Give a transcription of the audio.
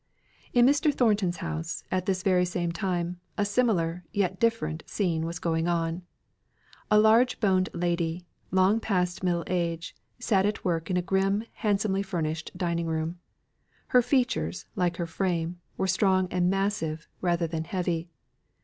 In Mr. Thornton's house, at this very same time, a similar, yet different scene was going on. A large boned lady, long past middle age, sat at work in a grim handsomely furnished dining room. Her features, like her frame, were strong and massive, rather than heavy.